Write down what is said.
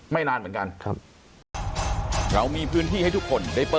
ไม่นานเหมือนกันครับ